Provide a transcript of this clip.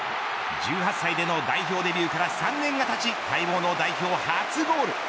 １８歳での代表デビューから３年がたち待望の代表初ゴール。